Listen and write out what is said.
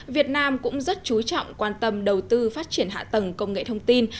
việt nam cũng rất chú trọng quan tâm đầu tư phát triển hạ tầng công nghệ thông tin